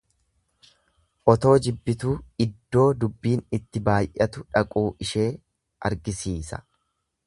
Otoo jibbituu iddoo dubbiin itti baay'atu dhaquu ishee argisiisa.